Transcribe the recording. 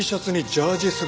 ジャージー？